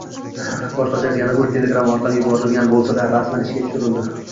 Boshqacha aytganda, u telegram orqali yuborilgan bo'lsa -da, rasman ishga tushirildi